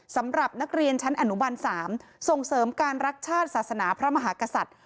สำหรับนักเรียนชั้นอนุบัน๓ส่งเสริมการรักชาติศาสนาพระมหากษัตริย์